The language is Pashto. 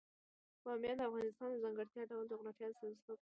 بامیان د افغانستان د ځانګړي ډول جغرافیه استازیتوب کوي.